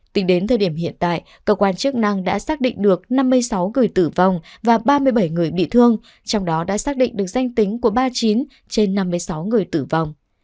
tính đến thời điểm hiện tại cơ quan chức năng đã xác định được năm mươi sáu người tử vong và ba mươi bảy người bị thương trong đó đã xác định được danh tính của ba mươi chín trên năm mươi sáu người tử vong